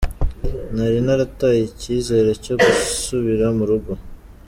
Nari narataye icyizere cyo gusubira mu rugo".